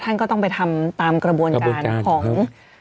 ก็ต้องไปทำตามกระบวนการของ